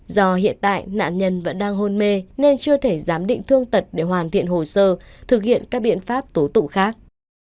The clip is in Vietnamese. do hiện tại nạn nhân vẫn đang hôn mê nên chưa thể giám định thương tật để hoàn thiện hồ sơ thực hiện các biện pháp tố tụng khác